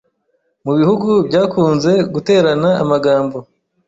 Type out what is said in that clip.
mu bihugu byakunze guterana amagambo